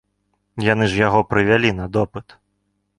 Яны ж яго прывялі на допыт.